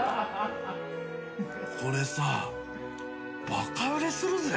これさバカ売れするぜ。